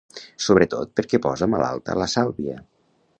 Sobretot perquè posa malalta la Sàlvia.